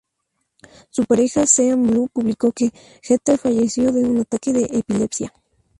Su pareja Sean Blue publicó que Jeter falleció de un ataque de epilepsia.